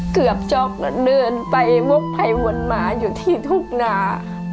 เกือบจะเดินไปวกไปวนมาอยู่ที่ทุ่งนา